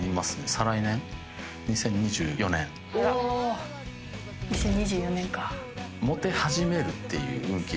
２０２４年か。